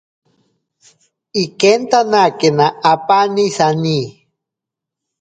Ikentanakena apaani sani.